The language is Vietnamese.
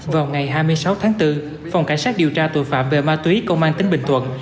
vào ngày hai mươi sáu tháng bốn phòng cảnh sát điều tra tội phạm về ma túy công an tỉnh bình thuận